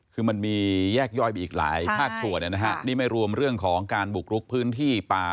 คือมันมีแยกย่อยไปอีกหลายภาคส่วนนะฮะนี่ไม่รวมเรื่องของการบุกรุกพื้นที่ป่า